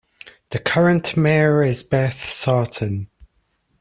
The current mayor is Beth Sartain.